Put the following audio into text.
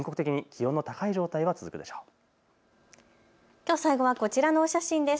では最後はこちらのお写真です。